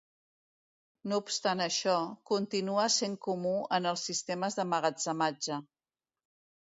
No obstant això, continua sent comú en els sistemes d'emmagatzematge.